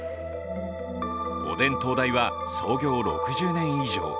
おでん東大は創業６０年以上。